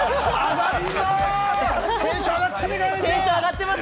テンション上がったね！